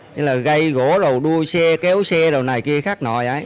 thế là gây gỗ rồi đua xe kéo xe rồi này kia khác nội ấy